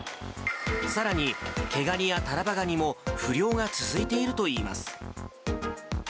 さらに、毛ガニやタラバガニも、不漁が続いているといいます。